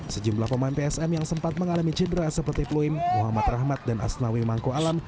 sejumlah pemain psm yang sempat mengalami cedera seperti pluim muhammad rahmat dan asnawi mangko alam